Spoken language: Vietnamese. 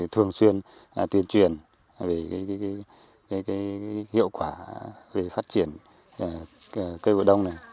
thường xuyên tuyên truyền về hiệu quả về phát triển cây vụ đông này